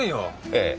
ええ。